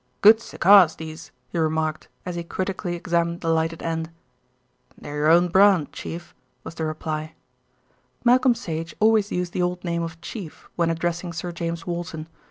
"Good cigars these," he remarked, as he critically examined the lighted end. "They're your own brand, Chief," was the reply. Malcolm Sage always used the old name of "Chief" when addressing Sir James Walton.